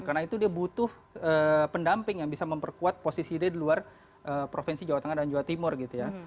karena itu dia butuh pendamping yang bisa memperkuat posisi dia di luar provinsi jawa tengah dan jawa timur gitu ya